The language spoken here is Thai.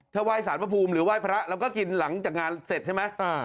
ถ้าไหว้สารพระภูมิหรือไหว้พระเราก็กินหลังจากงานเสร็จใช่ไหม